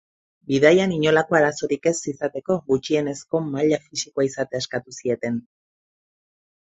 Bidaian inolako arazorik ez izateko, gutxienezko maila fisikoa izatea eskatu zieten.